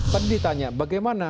saya juga bertanya kepada para penduduk